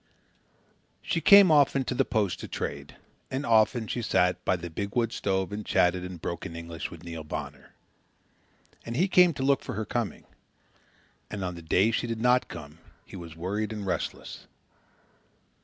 She came often to the post to trade. And often she sat by the big wood stove and chatted in broken English with Neil Bonner. And he came to look for her coming; and on the days she did not come he was worried and restless.